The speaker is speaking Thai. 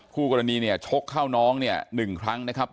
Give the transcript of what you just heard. คู่กรณีเนี่ยชกเข้าน้องเนี่ย๑ครั้งนะครับ